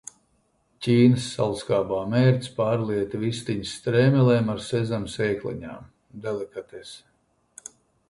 Ķīnas saldskābā mērce pārlieta vistiņas strēmelēm ar sezama sēkliņām. Delikatese.